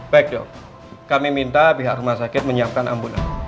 baik dok kami minta pihak rumah sakit menyiapkan ambulan